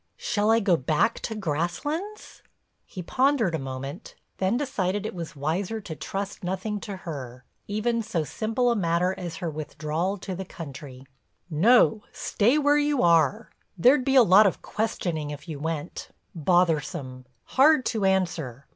"Shall I go back to Grasslands?" He pondered a moment, then decided it was wiser to trust nothing to her, even so simple a matter as her withdrawal to the country. "No, stay where you are. There'd be a lot of questioning if you went, bothersome, hard to answer.